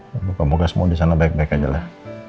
semoga moga semua disana baik baik aja lah